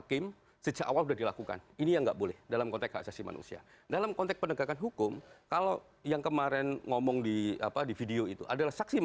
kami akan segera kembali